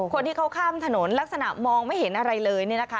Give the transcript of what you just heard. คนที่เขาข้ามถนนลักษณะมองไม่เห็นอะไรเลยเนี่ยนะคะ